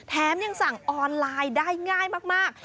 แถมยังสั่งออนไลน์ได้ง่ายมาก